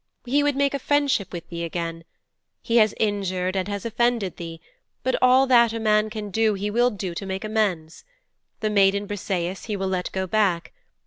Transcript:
He would make a friendship with thee again. He has injured and he has offended thee, but all that a man can do he will do to make amends. The maiden Briseis he will let go back.